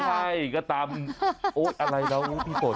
ใช่ก็ตามโอ๊ยอะไรแล้วพี่ฝน